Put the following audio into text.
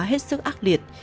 hết sức ác liệt